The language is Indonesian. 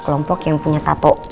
kelompok yang punya tato